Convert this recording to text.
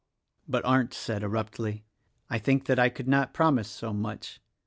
But Arndt said abruptly, "I think that I could not promise so much.